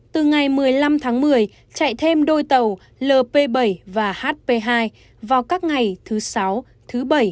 từ ngày một mươi năm tháng một mươi chạy thêm đôi tàu lp bảy và hp hai vào các ngày thứ sáu thứ bảy